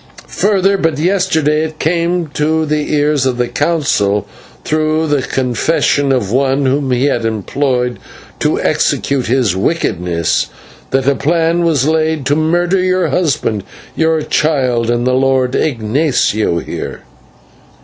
Further, but yesterday it came to the ears of the Council, through the confession of one whom he had employed to execute his wickedness, that a plan was laid to murder your husband, your child, and the Lord Ignatio here."